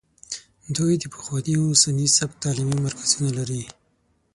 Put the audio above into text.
دوی د پخواني او نوي سبک تعلیمي مرکزونه لري